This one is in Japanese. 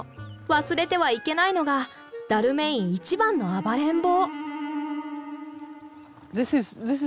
忘れてはいけないのがダルメイン一番の暴れん坊。